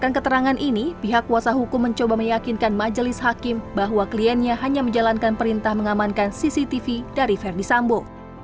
pada perangan ini pihak kuasa hukum mencoba meyakinkan majelis hakim bahwa kliennya hanya menjalankan perintah mengamankan cctv dari ferdisambu